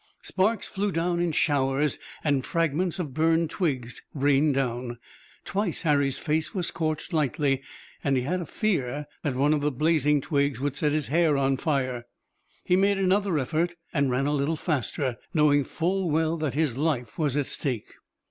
Sparks flew in showers, and fragments of burned twigs rained down. Twice Harry's face was scorched lightly and he had a fear that one of the blazing twigs would set his hair on fire. He made another effort, and ran a little faster, knowing full well that his life was at stake.